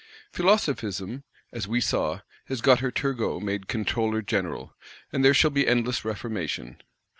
Philosophism, as we saw, has got her Turgot made Controller General; and there shall be endless reformation.